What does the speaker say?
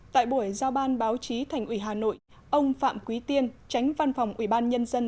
tại buổi giao ban báo chí thành ủy hà nội ông phạm quý tiên tránh văn phòng ủy ban nhân dân